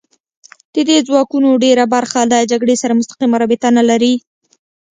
د دې ځواکونو ډېره برخه له جګړې سره مستقیمه رابطه نه لري